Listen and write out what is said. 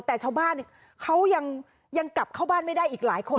แต่ชาวบ้านเขายังกลับเข้าบ้านไม่ได้อีกหลายคน